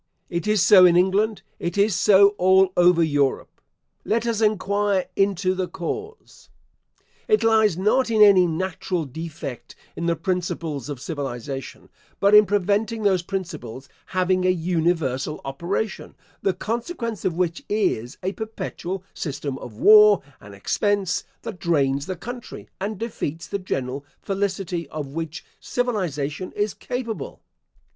It is so in England, it is so all over Europe. Let us enquire into the cause. It lies not in any natural defect in the principles of civilisation, but in preventing those principles having a universal operation; the consequence of which is, a perpetual system of war and expense, that drains the country, and defeats the general felicity of which civilisation is capable.